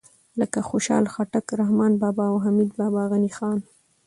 لکه خوشحال خټک، رحمان بابا او حمید بابا، غني خان